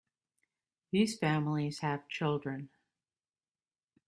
These families have children.